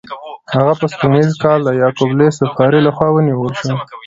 هغه په سپوږمیز کال کې د یعقوب لیث صفاري له خوا ونیول شو.